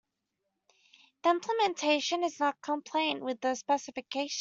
The implementation is not compliant with the specification.